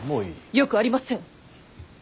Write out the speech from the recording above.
よくありません。